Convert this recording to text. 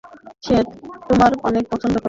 সে তোমায় অনেক পছন্দ করে।